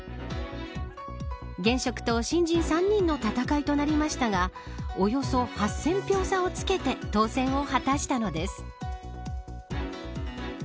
現職と新人３人の戦いとなりましたがおよそ８０００票差をつけて当選を果たしたのです。